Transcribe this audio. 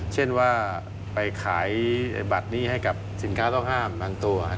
เช่นว่าไปขายบัตรนี้ให้กับสินค้าเราห้ามบางตัว